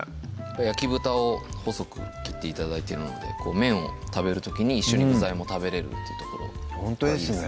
焼き豚を細く切って頂いてるので麺を食べる時に一緒に具材も食べれるってところほんとですね